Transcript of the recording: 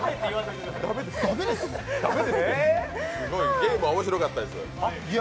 ゲームは面白かったです。